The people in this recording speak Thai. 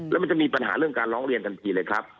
แล้วมันจะมีปัญหาเรื่องการร้องเรียนทันทีเลยครับ